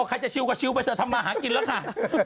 โอ้ใครจะชิลล์ก็ชิลล์ไปเธอทำอาหารกินแล้วค่ะ